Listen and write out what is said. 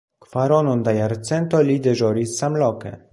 Kvaronon da jarcento li deĵoris samloke.